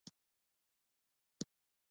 چې تاسو په داسې وخت کې وخندوي